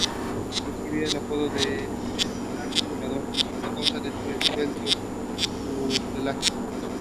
Here she swam across inner Danish waters and from Denmark to Germany.